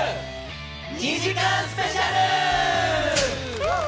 ２時間スペシャルー！！